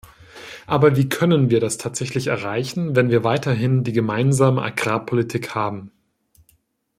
Aber wie können wir das tatsächlich erreichen, wenn wir weiterhin die Gemeinsame Agrarpolitik haben?